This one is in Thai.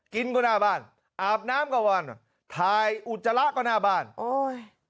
กินก็หน้าบ้านอาบน้ำก็วันถ่ายอุจจาระก็หน้าบ้านโอ้ย